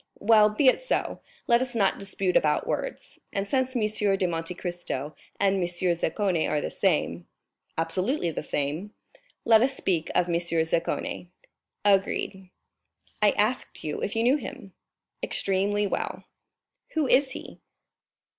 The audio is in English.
"Well, be it so—let us not dispute about words; and since M. de Monte Cristo and M. Zaccone are the same——" "Absolutely the same." "Let us speak of M. Zaccone." "Agreed." "I asked you if you knew him?" "Extremely well." "Who is he?"